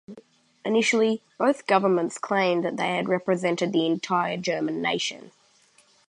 Initially, both governments claimed that they represented the entire German nation.